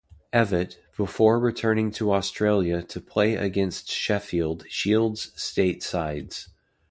Evatt, before returning to Australia to play against Sheffield Shield state sides.